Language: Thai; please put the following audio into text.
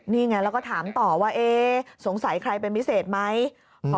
นี่ไงแล้วก็ถามต่อว่าสงสัยใครเป็นพิเศษไหม